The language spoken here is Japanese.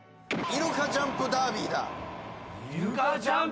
イルカジャンプダービー？